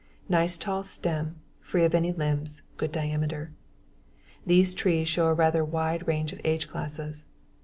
Nice tall stem, free of any limbs, good diameter. These trees show a rather wide range of age classes.